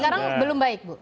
sekarang belum baik bu